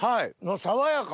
爽やか！